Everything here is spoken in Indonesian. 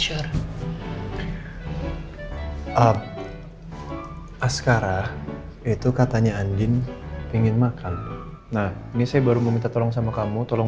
the earth askara itu katanya andien lebih makan nah ini saya baru meminta tolong sama kamu tolong